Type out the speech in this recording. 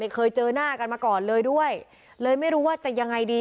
เคยเจอหน้ากันมาก่อนเลยด้วยเลยไม่รู้ว่าจะยังไงดี